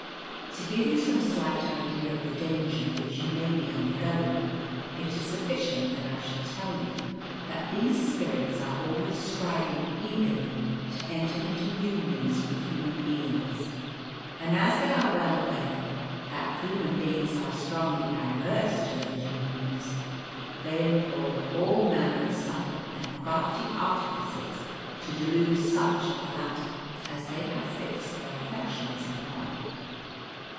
To give you some slight idea of the danger which you may be undergoing, it is sufficient that I should tell you that these spirits are always striving eagerly to enter into unions with human beings; and as they are well aware that human beings are strongly adverse to those unions, they employ all manner of subtle and crafty artifices to delude such of the latter as they have fixed their affections upon.